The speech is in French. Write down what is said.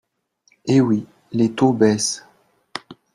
Eh oui, les taux baissent